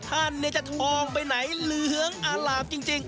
ท่านเนี่ยจะทองไปไหนเหลืองอลามจริง